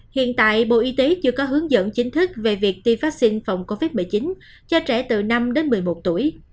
hiện tại bộ y tế chưa có hướng dẫn chính thức về việc tiêm vaccine phòng covid một mươi chín cho trẻ từ năm đến một mươi một tuổi